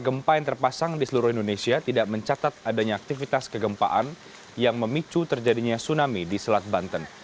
gempa yang terpasang di seluruh indonesia tidak mencatat adanya aktivitas kegempaan yang memicu terjadinya tsunami di selat banten